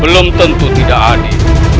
belum tentu tidak adil